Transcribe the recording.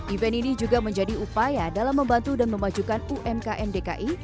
event ini juga menjadi upaya dalam membantu dan memajukan umkm dki